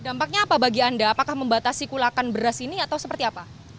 dampaknya apa bagi anda apakah membatasi kulakan beras ini atau seperti apa